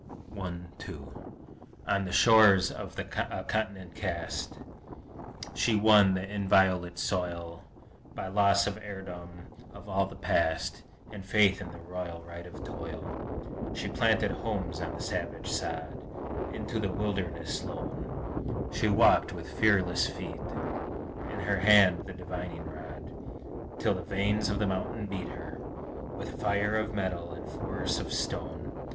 I 2 On the shores of a Continent cast, She won the inviolate soil By loss of heirdom of all the Past, And faith in the royal right of Toil! She planted homes on the savage sod: Into the wilderness lone She walked with fearless feet, In her hand the divining rod, Till the veins of the mountains beat With fire of metal and force of stone!